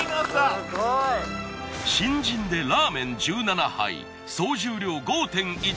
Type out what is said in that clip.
新人でラーメン１７杯総重量５．１ｋｇ。